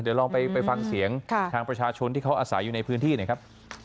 เดี๋ยวลองไปฟังเสียงทางประชาชนที่เขาอาศัยอยู่ในพื้นที่หน่อยครับ